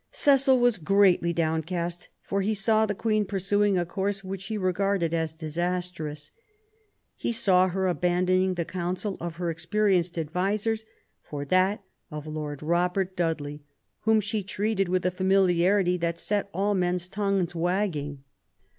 Cecil was greatly downcast, for he saw the Queen pursuing a course which he regarded as disastrous ; he saw her abandoning the counsel of her experienced advisers for that of Lord Robert Dudley, whom she treated with a familiarity that set all men's tongues wagging.